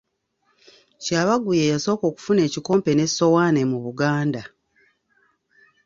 Kyabaggu ye yasooka okufuna ekikompe n'essowaane mu Buganda.